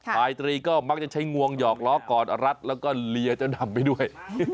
รายตรีก็มักจะใช้งวงหยอกล้อกอดรัดแล้วก็เลียเจ้านำไปด้วย